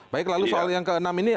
baik lalu soal yang ke enam ini